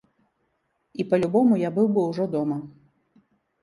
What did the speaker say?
І па-любому я быў бы ўжо дома.